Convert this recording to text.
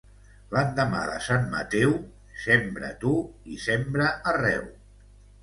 L'endemà de sant Mateu, sembra tu i sembra arreu.